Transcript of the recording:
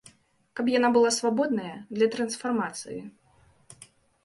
Каб яна была свабодная для трансфармацыі.